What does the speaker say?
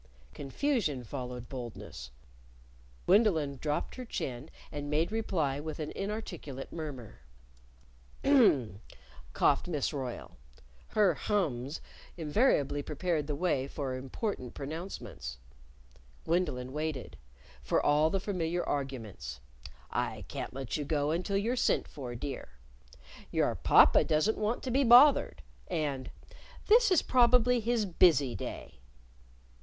Confusion followed boldness. Gwendolyn dropped her chin, and made reply with an inarticulate murmur. "Hm!" coughed Miss Royle. (Her hms invariably prepared the way for important pronouncements.) Gwendolyn waited for all the familiar arguments: I can't let you go until you're sent for, dear; Your papa doesn't want to be bothered; and, This is probably his busy day.